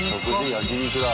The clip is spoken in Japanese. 焼き肉だ。